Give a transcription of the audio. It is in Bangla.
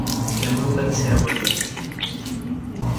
কেমন লাগছে আমাকে?